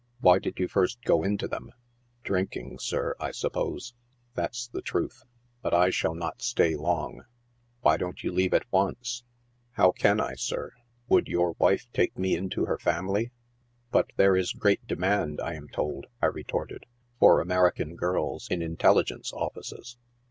" Why did you first go into them ?" s Drinking, sir, I suppose. That's the truth. But I shall not stay long." " Why don't you leave at once ?"" How can I, sir? Would your wife take me into her family?" " But there is great demand, I am told," I retorted, " for Ameri can girls in intelligence offices.